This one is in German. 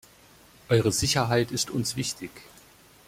Eure Sicherheit ist uns wichtig.